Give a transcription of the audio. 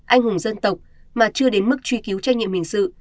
anh hùng dân tộc mà chưa đến mức truy cứu trách nhiệm hình sự